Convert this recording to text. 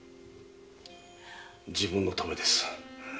自分のためです。